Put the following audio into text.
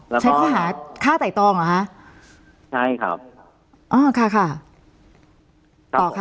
แล้วก็ค่าตายตองเหรอฮะใช่ครับอ๋อค่ะค่ะต่อค่ะ